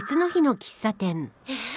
えっ！